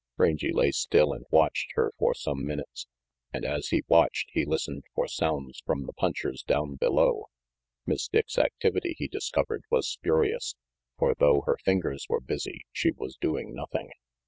Rangy lay still and watched her for some minutes; and as he watched, he listened for sounds from the punchers down below. Miss Dick's activity, he discovered, was spurious, for though her fingers were busy, she was doing nothing.